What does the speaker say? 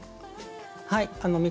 はい。